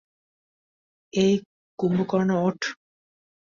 এই কুম্ভকর্ণ, ওঠ!